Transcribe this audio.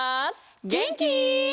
げんき？